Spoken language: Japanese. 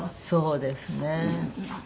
そうですね。